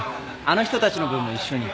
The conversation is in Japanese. あの人たちの分も一緒に。